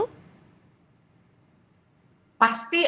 pasti akan banyak sekali terjadi